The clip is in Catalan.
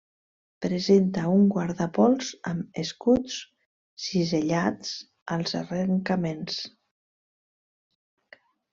Presenta un guardapols amb escuts cisellats als arrencaments.